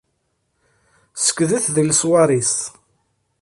Ssekdet di leṣwar-is.